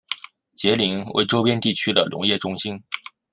杰宁为周边地区的农业中心。